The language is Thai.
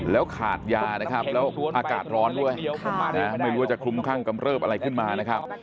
แล้วขาดยานะครับแล้วอากาศร้อนด้วยไม่รู้ว่าจะคลุมคลั่งกำเริบอะไรขึ้นมานะครับ